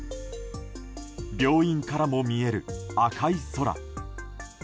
病院からも見える赤い空。